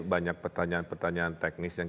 banyak pertanyaan pertanyaan teknis yang